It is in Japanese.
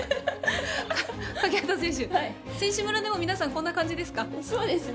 欠端選手、選手村でも皆さんこんな感じですか。